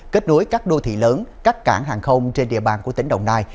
kết nối các đô thị lớn các cảng hàng không trên địa bàn của tỉnh đồng nai